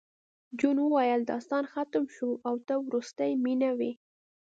جون وویل داستان ختم شو او ته وروستۍ مینه وې